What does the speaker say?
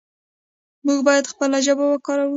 موږ باید خپله ژبه وکاروو.